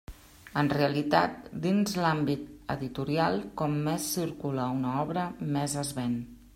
En realitat, dins l'àmbit editorial, com més circula una obra, més es ven.